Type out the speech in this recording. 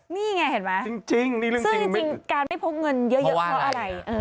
นี่แล้วก็ไม่พกเงินเยอะเพราะอะไร